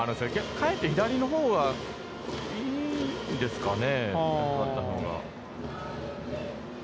かえって左のほうがいいんですかね。